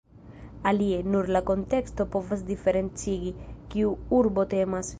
Alie, nur la konteksto povas diferencigi, kiu urbo temas.